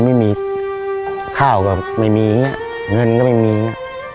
มันค่าก็ไม่มีเงินไม่มีจริง